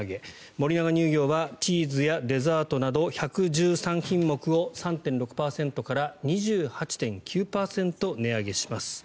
森永乳業はチーズやデザートなど１１３品目を３．６％から２８．９％値上げします。